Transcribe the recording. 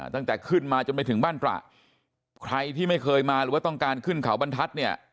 ตั้งแต่ขึ้นมาจนไปถึงบ้านตระใครที่ไม่เคยมาหรือว่าต้องการขึ้นเขาบรรทัศน์เนี่ย